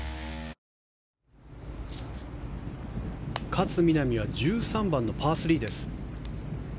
勝みなみは１３番のパー３です。